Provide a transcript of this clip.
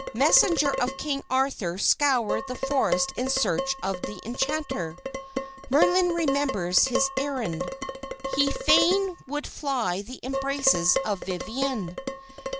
Messengers of King Arthur scour the forest in search of the enchanter. "Merlin remembers his errand. He fain would fly the embraces of Viviane.